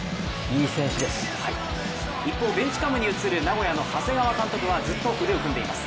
一方、ベンチカムに映る名古屋の長谷川監督はずっと腕を組んでいます。